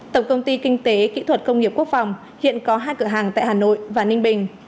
tổng công ty kinh tế kỹ thuật công nghiệp quốc phòng hiện có hai cửa hàng tại hà nội và ninh bình